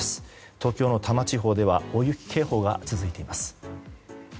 東京の多摩地方では大雪警報が続いています。